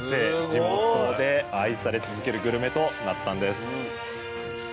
地元で愛され続けるグルメとなったんです